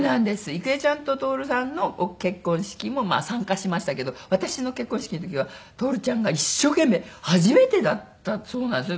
郁恵ちゃんと徹さんの結婚式も参加しましたけど私の結婚式の時は徹ちゃんが一生懸命初めてだったそうなんですよ。